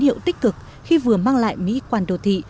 những tín hiệu tích cực khi vừa mang lại mỹ quản đồ thị